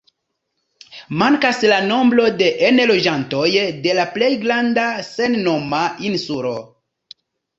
Mankas la nombro de enloĝantoj de la plej granda, sennoma insulo.